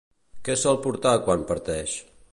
Què sol portar quan parteix?